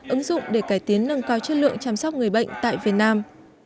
ứng dụng để cải tiến nâng cao chất lượng chăm sóc người bệnh tại việt nam